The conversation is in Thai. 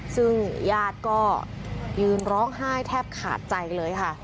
ซึ่งญาติก็ยืนร้องไห้แทบขาดใจเลยค่ะ